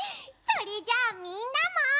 それじゃあみんなも。